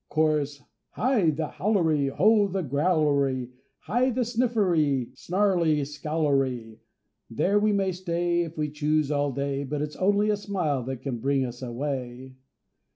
Chorus.—Hi! the Howlery! ho! the Growlery! Ha! the Sniffery, Snarlery, Scowlery! There we may stay, If we choose, all day; But it's only a smile that can bring us away.